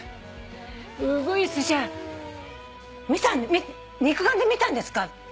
ウグイスじゃあ肉眼で見たんですか？